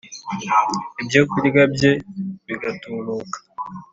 ibyokurya bye bigatubuka